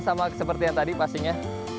sama seperti yang tadi pastinya